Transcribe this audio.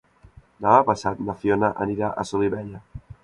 Demà passat na Fiona anirà a Solivella.